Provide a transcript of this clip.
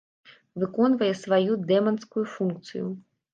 Выконвае сваю дэманскую функцыю.